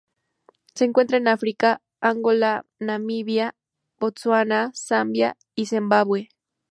Se encuentran en África: Angola, Namibia, Botsuana, Zambia y Zimbabue.